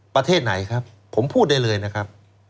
ประเทศไหนครับผมพูดได้เลยนะครับ